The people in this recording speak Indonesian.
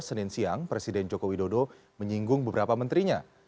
senin siang presiden jokowi dodo menyinggung beberapa menterinya